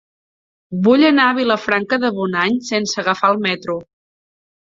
Vull anar a Vilafranca de Bonany sense agafar el metro.